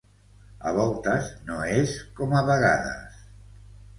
A voltes no és com a vegades.